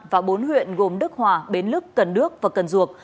và bốn huyện gồm đức hòa bến lức cần đước và cần duộc